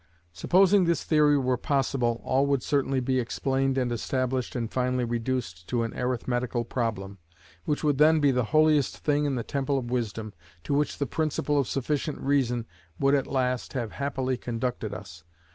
Supposing this theory were possible, all would certainly be explained and established and finally reduced to an arithmetical problem, which would then be the holiest thing in the temple of wisdom, to which the principle of sufficient reason would at last have happily conducted us.